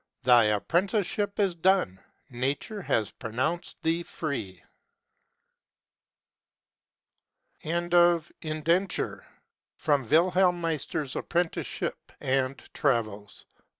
Thy Apprenticeship is done: Nature has pronounced thee free." THE HOUSEHOLD EDITON. WILHELM MEISTEE'S APPRENTICESHIP AND TRAVELS.